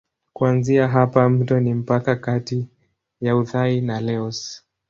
Kuanzia hapa mto ni mpaka kati ya Uthai na Laos.